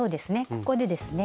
ここでですね